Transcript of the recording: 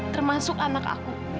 termasuk anak aku